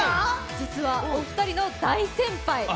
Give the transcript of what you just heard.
実はお二人の大先輩。